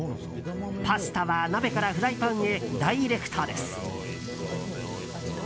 パスタは鍋からフライパンへダイレクトです。